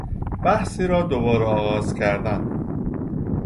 بحثی را دوباره آغاز کردن